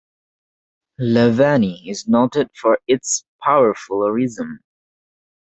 Lavani is noted for its powerful rhythm.